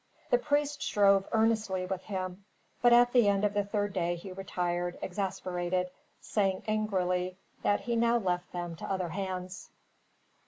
The priest strove earnestly with him, but at the end of the third day he retired, exasperated, saying angrily that he now left them to other hands.